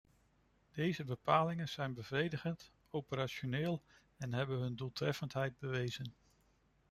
Deze bepalingen zijn bevredigend, operationeel en hebben hun doeltreffendheid bewezen.